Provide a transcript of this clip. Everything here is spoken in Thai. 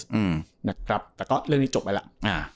แต่เรื่องนี้จบไปแล้ว